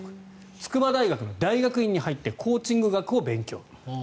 筑波大学の大学院に入ってコーチング学を勉強。